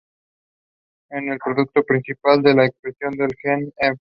Es el producto principal de la expresión del gen env.